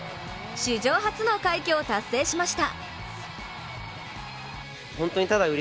史上初の快挙を達成しました。